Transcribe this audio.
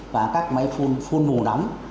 và các máy phun phun mù nóng